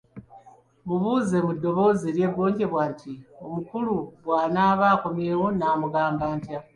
Mubuuze mu ddoboozi eryeggonjebwa nti, "Omukulu bwanaaba akomyewo nnaamugamba ntya?"